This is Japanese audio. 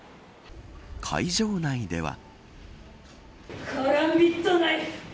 会場内では。